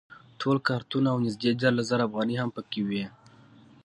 ټول کارتونه او نږدې دیارلس زره افغانۍ هم په کې وې.